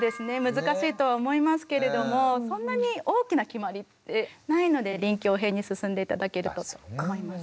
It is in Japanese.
難しいとは思いますけれどもそんなに大きな決まりってないので臨機応変に進んで頂ければと思います。